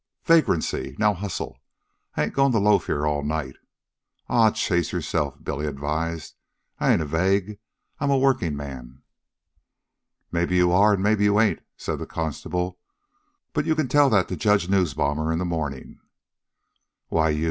"Vagrancy. Now hustle. I ain't goin' to loaf here all night." "Aw, chase yourself," Billy advised. "I ain't a vag. I'm a workingman." "Maybe you are an' maybe you ain't," said the constable; "but you can tell all that to Judge Neusbaumer in the mornin'." "Why you...